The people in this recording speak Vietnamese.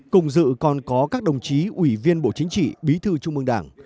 cùng dự còn có các đồng chí ủy viên bộ chính trị bí thư trung ương đảng